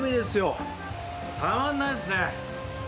たまんないですね。